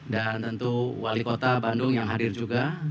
dan tentu wali kota bandung yang hadir juga